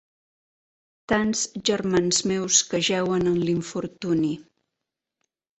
Tants germans meus que jeuen en l'infortuni